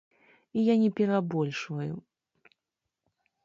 І я не перабольшваю!